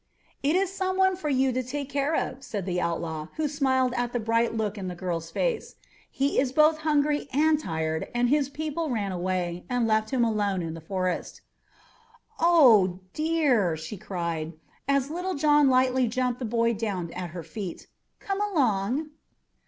"It is some one for you to take care of," said the outlaw, who smiled at the bright look in the girl's face. "He is both hungry and tired, and his people ran away and left him alone in the forest." "Oh, my dear!" she cried, as Little John lightly jumped the boy down at her feet. "Come along."